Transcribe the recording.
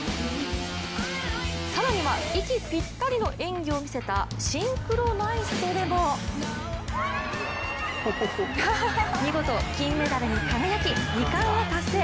更には息ぴったりの演技を見せたシンクロナイズドでも見事、金メダルに輝き２冠を達成。